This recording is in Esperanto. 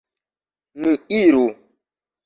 Ni iru!